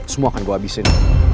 semua akan gue habisin